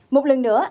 một lần nữa